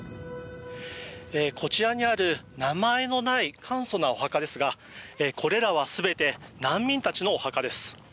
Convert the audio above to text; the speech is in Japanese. こちらにある名前のない簡素なお墓ですがこれらは全て難民たちのお墓です。